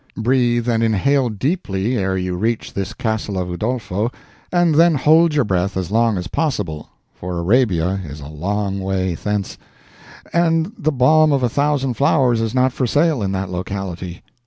Breathe and inhale deeply ere you reach this castle of Udolpho, and then hold your breath as long as possible, for Arabia is a long way thence, and the balm of a thousand flowers is not for sale in that locality.